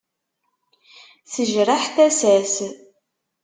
Tejreḥ tasa-s.